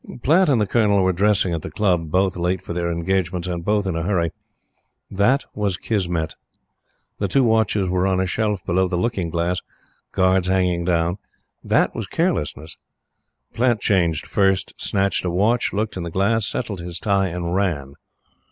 Platte and the Colonel were dressing at the Club both late for their engagements, and both in a hurry. That was Kismet. The two watches were on a shelf below the looking glass guards hanging down. That was carelessness. Platte changed first, snatched a watch, looked in the glass, settled his tie, and ran.